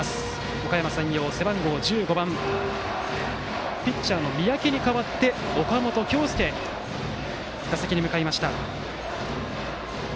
おかやま山陽、背番号１５番ピッチャーの三宅に代わって岡本京介が打席に入りました。